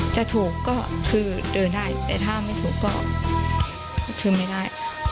จะถูกก็คือเดินได้แต่ถ้าไม่ถูกก็คือไม่ได้